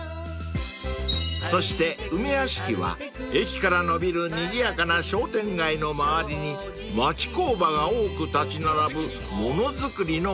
［そして梅屋敷は駅から延びるにぎやかな商店街の周りに町工場が多く立ち並ぶものづくりの町］